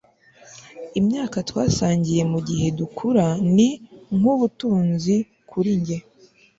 imyaka twasangiye mugihe dukura ni nkubutunzi kuri njye